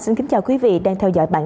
xin chào và hẹn gặp lại